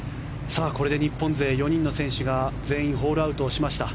これで日本勢４人の選手が全員ホールアウトをしました。